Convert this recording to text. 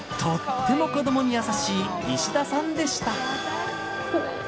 とっても子どもに優しい石田さんでした